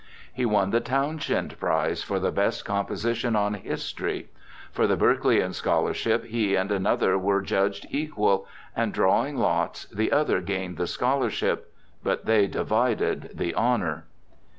He won the Townshend prize for the best composition on History. For the Berkeleian scholarship he and another were judged equal, and, drawing lots, the other gained the scholarship; but they divided the honor.